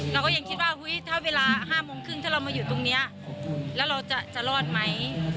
เราก็ยังคิดว่าถ้าเวลา๕โมงครึ่งถ้าเรามาอยู่ตรงนี้แล้วเราจะรอดไหม